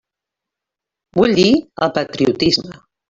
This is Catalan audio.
Vull dir el patriotisme.